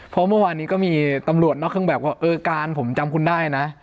เพราะเมื่อวานนี้ก็มีตำรวจนอกเครื่องแบบว่าเออการผมจำคุณได้นะ